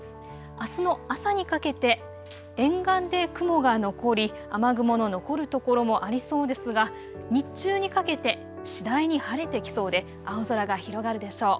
あすの朝にかけて沿岸で雲が残り雨雲の残る所もありそうですが日中にかけて次第に晴れてきそうで青空が広がるでしょう。